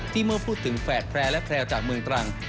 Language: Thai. เมื่อพูดถึงแฝดแพร่และแพรวจากเมืองตรัง